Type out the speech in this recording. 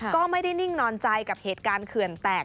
ก็ไม่ได้นิ่งนอนใจกับเหตุการณ์เขื่อนแตก